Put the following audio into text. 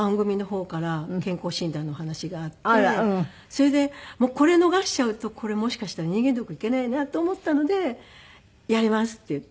それでこれ逃しちゃうとこれもしかしたら人間ドック行けないなと思ったので「やります」って言って。